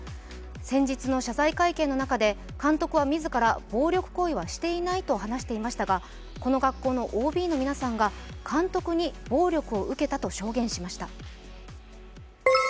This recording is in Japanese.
先日の謝罪会見の中で監督は自ら、暴力行為はしていないと話しましたがこの学校のＯＢの皆さんが監督に暴力を受けたと証言しました。